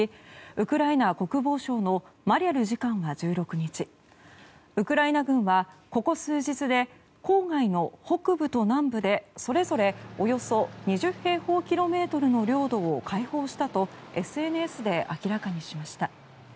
ウクライナ国防省のマリャル次官は１６日ウクライナ軍は、ここ数日で郊外の北部と南部でそれぞれおよそ２０平方キロメートルの領土を解放したとＳＮＳで明らかにしました。